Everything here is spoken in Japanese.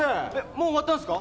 もう終わったんすか？